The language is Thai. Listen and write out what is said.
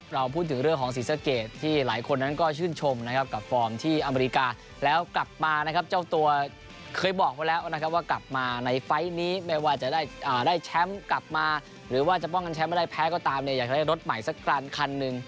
เราพูดถึงเรื่องของศรีสะเกดที่หลายคนนั้นก็ชื่นชมนะครับกับฟอร์มที่อเมริกาแล้วกลับมานะครับเจ้าตัวเคยบอกไว้แล้วนะครับว่ากลับมาในไฟล์นี้ไม่ว่าจะได้แชมป์กลับมาหรือว่าจะป้องกันแชมป์ไม่ได้แพ้ก็ตามเนี่ยอยากจะได้รถใหม่สักการคันหนึ่ง